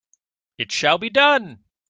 It shall be done!